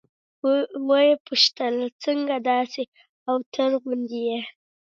ويې پوښتل څنگه داسې اوتر غوندې يې.